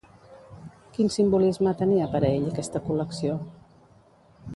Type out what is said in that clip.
Quin simbolisme tenia per a ell aquesta col·lecció?